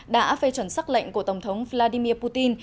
đã phê chuẩn xác lệnh của tổng thống vladimir putin